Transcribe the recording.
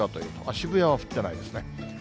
渋谷は降ってないですね。